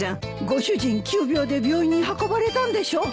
ご主人急病で病院に運ばれたんでしょ？